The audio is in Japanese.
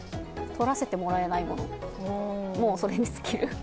取らせてもらえないもの、それに尽きる。